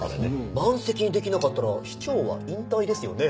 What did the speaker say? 満席にできなかったら市長は引退ですよね。